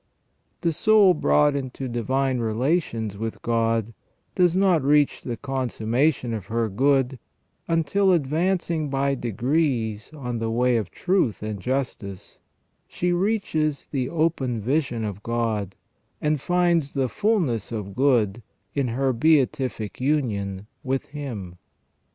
The soul brought into divine relations with God does not reach the con summation of her good, until advancing by degrees on the way of truth and justice, she reaches the open vision of God, and finds the fulness of good in her beatific union with Him.